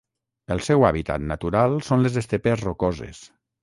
El seu hàbitat natural són les estepes rocoses.